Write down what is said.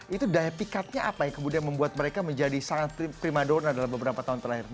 itu daya pikatnya apa yang kemudian membuat mereka menjadi sangat primadona dalam beberapa tahun terakhir